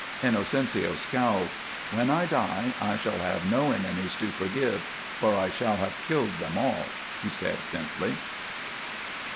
Inocencio scowled. "When I die I shall have no enemies to forgive, for I shall have killed them all," he said, simply.